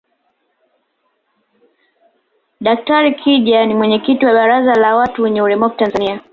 Daktari kija ni mwenyekiti wa baraza la watu wenye ulemavu Tanzania